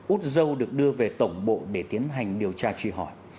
úc râu được đưa về tổng bộ để tiến hành điều tra truy hỏi